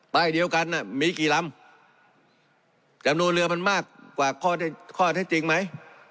เดียวกันมีกี่ลำจำนวนเรือมันมากกว่าข้อเท็จจริงไหม